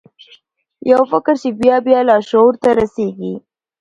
یو فکر چې بیا بیا لاشعور ته رسیږي